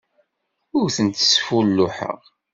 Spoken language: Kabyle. Ur tent-sfulluḥeɣ.